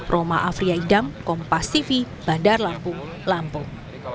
roma afriya idam kompas tv bandar lampung lampung